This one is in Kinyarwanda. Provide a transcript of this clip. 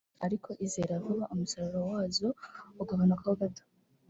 ariko izera vuba umusaruro wazo ugabanukaho gato